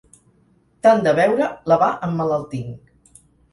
Tant de beure la va emmalaltint.